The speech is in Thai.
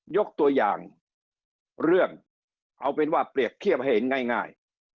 ยกตัวอย่างเรื่องเอาเป็นว่าเปรียบเทียบให้เห็นง่าย